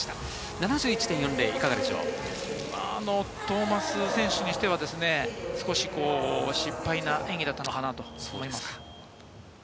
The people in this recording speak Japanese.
７１．トーマス選手にしては少し失敗の演技だったのかなと思います。